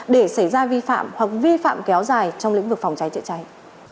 để xảy ra vi phạm hoặc vi phạm kéo dài trong lĩnh vực phòng cháy chữa cháy